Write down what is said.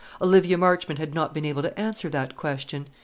Olivia Marchmont had not been able to answer that question.